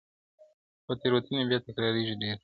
خو تېروتنې بيا تکراريږي ډېر,